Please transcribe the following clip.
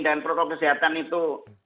dan protokol kesehatan itu